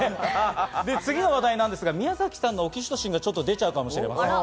次の話題ですが、宮崎さんのオキシトシンが出るかもしれません。